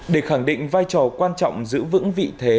để khẳng định vai trò quan trọng giữ vững vị thế